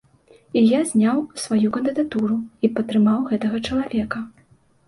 І я зняў сваю кандыдатуру і падтрымаў гэтага чалавека.